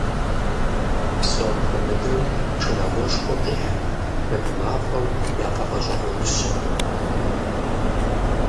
Псом хуэмыдэу шынагъуэшхуэ къихьырт шэд мафӀэу яфӀэгъэщӀэгъуэныщэхэм.